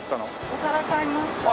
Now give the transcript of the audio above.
お皿買いました。